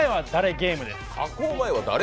ゲームです。